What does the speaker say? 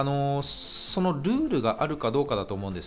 そのルールがあるかどうかだと思います。